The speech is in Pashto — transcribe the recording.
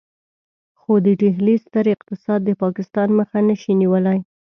خو د ډهلي ستر اقتصاد د پاکستان مخه نشي نيولای.